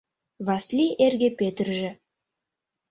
Васли эрге Пӧтыржӧ